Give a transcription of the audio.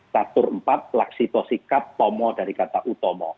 tatur empat laksito sikap tomo dari kata utomo